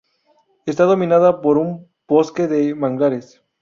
Está dominada por un bosque de manglares.